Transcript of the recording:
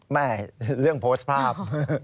เรื่องโพสต์ภาพ